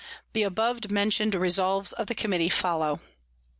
The above mention'd Resolves of the Committee follow.